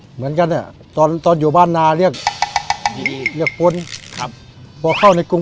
เหมือนกันเนี่ยตอนตอนอยู่บ้านนาเรียกเรียกปนครับพอเข้าในกรุง